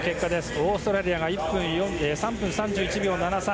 オーストラリアが３分３１秒７３。